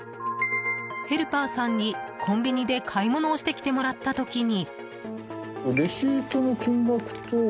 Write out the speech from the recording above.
ヘルパーさんにコンビニで買い物をしてきてもらった時に。